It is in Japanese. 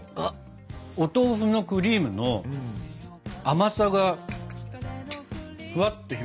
お豆腐のクリームの甘さがふわっと広がって。